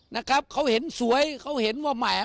นะครับเขาเห็นสวยเขาเห็นว่าแหม